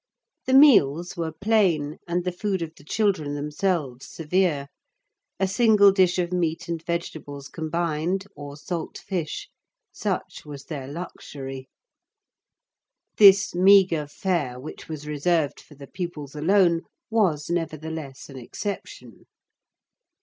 The meals were plain, and the food of the children themselves severe. A single dish of meat and vegetables combined, or salt fish—such was their luxury. This meagre fare, which was reserved for the pupils alone, was, nevertheless, an exception.